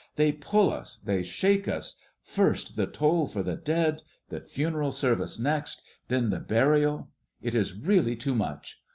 They pull us, they shake us, first the toll for the dead, the funeral service next, then the burial. It is really too much!